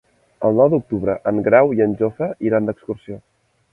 El nou d'octubre en Grau i en Jofre iran d'excursió.